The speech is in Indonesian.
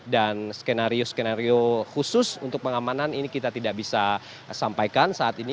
dan skenario skenario khusus untuk pengamanan ini kita tidak bisa sampaikan saat ini